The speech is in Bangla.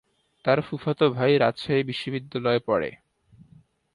তার ফুফাতো ভাই রাজশাহী বিশ্বনিদ্যালয়ে পড়ে।